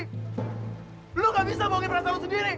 gak bisa bohongin perasaanmu sendiri